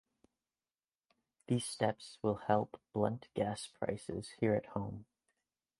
These steps will help blunt gas prices here at home.